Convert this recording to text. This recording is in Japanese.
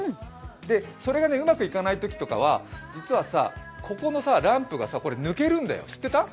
それがうまくいかないときは実はさ、ここのランプが抜けるんだよ。